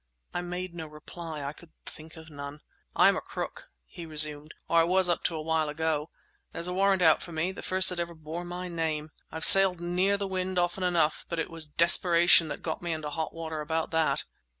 I made no reply: I could think of none. "I'm a crook," he resumed, "or I was up to a while ago. There's a warrant out for me—the first that ever bore my name. I've sailed near the wind often enough, but it was desperation that got me into hot water about that!"